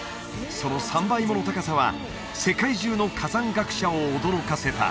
その３倍もの高さは世界中の火山学者を驚かせた